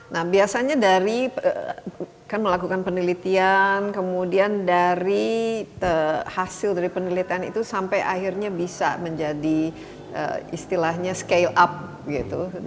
nah biasanya dari kan melakukan penelitian kemudian dari hasil dari penelitian itu sampai akhirnya bisa menjadi istilahnya scale up gitu